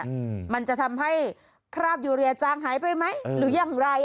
อืมมันจะทำให้คราบยูเรียจางหายไปไหมหรืออย่างไร